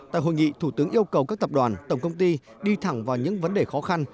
tại hội nghị thủ tướng yêu cầu các tập đoàn tổng công ty đi thẳng vào những vấn đề khó khăn